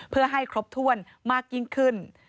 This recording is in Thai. เพื่อให้ครบถ้วนมากยิ่งขึ้น